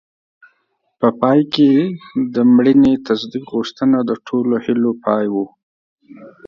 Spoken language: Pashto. په پای کې د مړینې تصدیق غوښتنه د ټولو هیلو پای و.